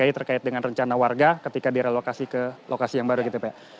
terkait dengan rencana warga ketika direlokasi ke lokasi yang baru gitu pak